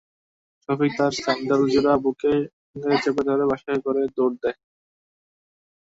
শফিক তার স্যান্ডেল জোড়া বুকের সঙ্গে চেপে ধরে পাশের ঘরে দৌড় দেয়।